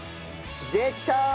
できたー！